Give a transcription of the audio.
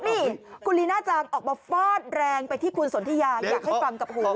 นี่คุณลีน่าจังออกมาฟาดแรงไปที่คุณสนทิยาอยากให้ฟังกับหู